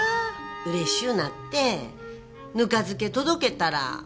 嬉しゅうなってぬか漬け届けたら。